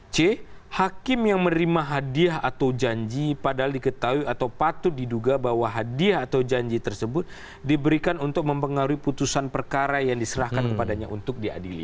c hakim yang menerima hadiah atau janji padahal diketahui atau patut diduga bahwa hadiah atau janji tersebut diberikan untuk mempengaruhi putusan perkara yang diserahkan kepadanya untuk diadili